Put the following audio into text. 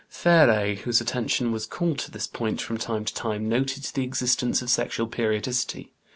Féré, whose attention was called to this point, from time to time noted the existence of sexual periodicity.